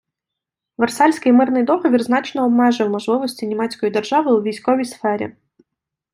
Версальський мирний договір значно обмежив можливості Німецької держави у військовій сфері.